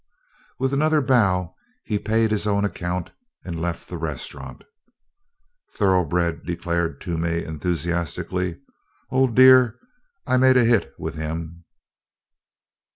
With another bow he paid his own account and left the restaurant. "Thoroughbred!" declared Toomey enthusiastically. "Old Dear, I made a hit with him."